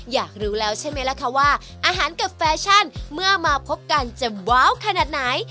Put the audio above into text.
อยากรู้แล้วใช่ไหมล่ะคะว่าอาหารกับแฟชั่นเมื่อมาพบกันจะว้าวขนาดไหน